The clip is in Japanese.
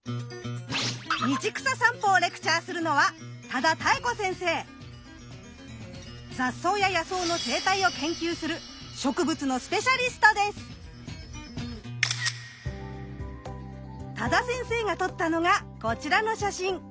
道草さんぽをレクチャーするのは雑草や野草の生態を研究する多田先生が撮ったのがこちらの写真。